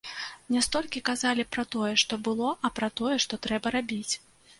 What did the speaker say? Не столькі казалі пра тое, што было, а пра тое, што трэба рабіць.